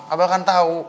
abah kan tau